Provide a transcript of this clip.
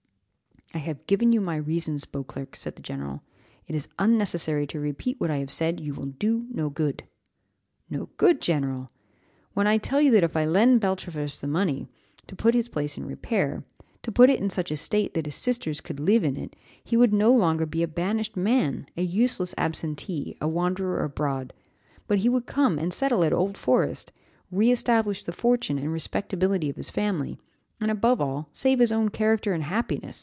"I have given you my reasons, Beauclerc," said the general, "It is unnecessary to repeat what I have said, you will do no good." "No good, general? When I tell you that if I lend Beltravers the money, to put his place in repair, to put it in such a state that his sisters could live in it, he would no longer be a banished man, a useless absentee, a wanderer abroad, but he would come and settle at Old Forest, re establish the fortune and respectability of his family, and above all, save his own character and happiness.